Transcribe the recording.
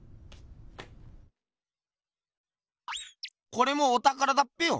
これもおたからだっぺよ。